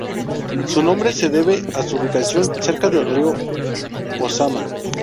Su nombre se debe a su ubicación cercana del Río Ozama.